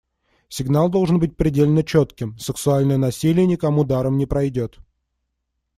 Сигнал должен быть предельно четким: сексуальное насилие никому даром не пройдет.